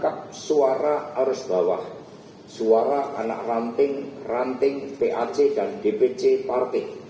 dan menangkap suara arus bawah suara anak ranting ranting pac dan dpc partai